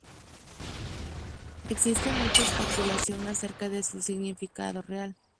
Existe mucha especulación acerca de su significado real.